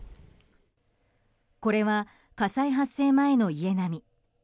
これは火災発生前の家並み。